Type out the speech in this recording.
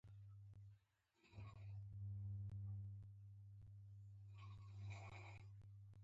احمد وويل: درې میاشتې کافي دي.